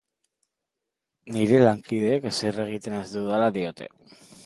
Nire lankideek ezer egiten ez dudala diote.